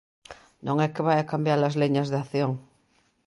Non é que vaia cambiar as liñas de acción.